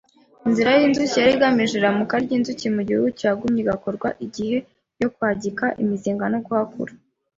Inzira y’inzuki: yari igamije irumuka ry’inzuki mu gihe uuki wagumye igakorwa igihe yo kwagika imizinga no guhakura